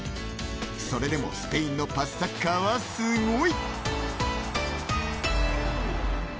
それでもスペインのパスサッカーはすごい。